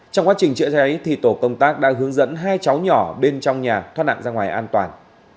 trong quá trình chữa cháy tổ công tác đã hướng dẫn hai cháu nhỏ bên trong nhà thoát nạn ra ngoài an toàn